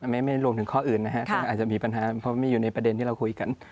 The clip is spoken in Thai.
ไม่รวมถึงข้ออื่นนะฮะอาจจะมีปัญหาเพราะมีอยู่ในประเด็นที่เราคุยกัน